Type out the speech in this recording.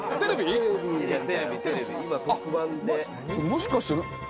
もしかして。